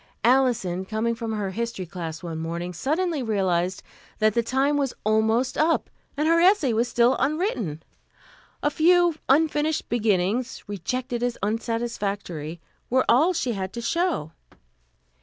Alison, coming from her history class one morning, suddenly realized that the time was almost up, and her essay was still unwritten. A few unfinished beginnings, rejected as unsatisfactory, were all she had to show.